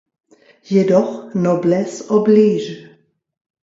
Jedoch, noblesse oblige .